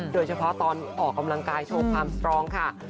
โดยเฉพาะตอนออกกำลังกายโชว์ความสตรองค่ะ